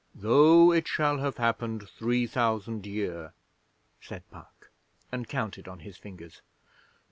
'"Though It shall have happened three thousand year,"' said Puck, and counted on his fingers.